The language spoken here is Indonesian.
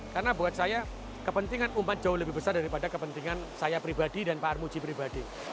karena buat saya kepentingan umat jauh lebih besar daripada kepentingan saya pribadi dan pak armuji pribadi